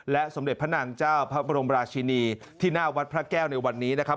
สมเด็จพระนางเจ้าพระบรมราชินีที่หน้าวัดพระแก้วในวันนี้นะครับ